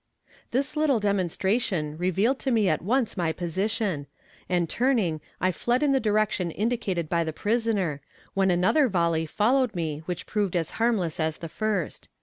This little demonstration revealed to me at once my position, and turning I fled in the direction indicated by the prisoner, when another volley followed me which proved as harmless as the first.